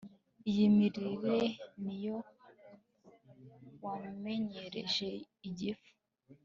Iyi mirire ni yo wamenyereje igifu